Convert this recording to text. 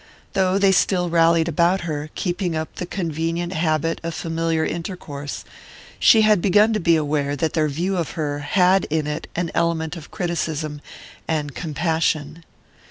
Though they still rallied about her, keeping up the convenient habit of familiar intercourse, she had begun to be aware that their view of her had in it an element of criticism and compassion.